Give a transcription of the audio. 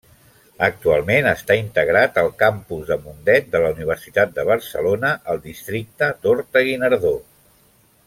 Actualment està integrat al Campus de Mundet de la Universitat de Barcelona, al districte d'Horta-Guinardó.